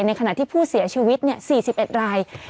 ในขณะที่ผู้เสียชีวิต๔๑ราย